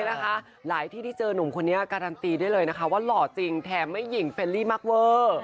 หลายที่ที่เจอหนุ่มคนนี้การันตีได้เลยนะคะว่าหล่อจริงแถมไม่หญิงเฟรลี่มากเวอร์